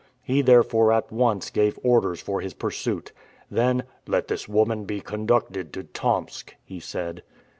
He therefore at once gave orders for his pursuit. Then "Let this woman be conducted to Tomsk," he said.